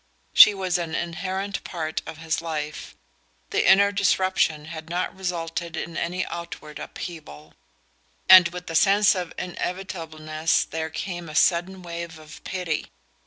She was an inherent part of his life; the inner disruption had not resulted in any outward upheaval. And with the sense of inevitableness there came a sudden wave of pity.